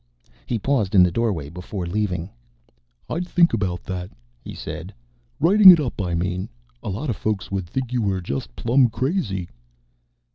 He paused in the doorway before leaving. "I'd think about that," he said. "Writing it up, I mean. A lot of folks would think you were just plum crazy."